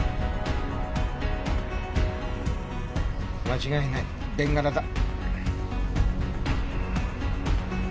間違いないベンガラだ。